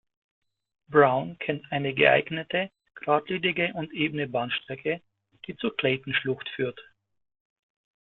Brown kennt eine geeignete, geradlinige und ebene Bahnstrecke, die zur Clayton-Schlucht führt.